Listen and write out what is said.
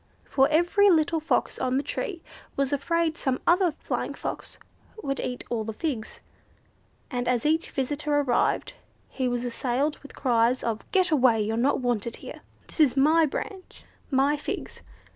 For every little Fox on the tree was afraid some other Flying Fox would eat all the figs, and as each visitor arrived he was assailed with cries of, "Get away you're not wanted here!" "This is my branch, my figs!"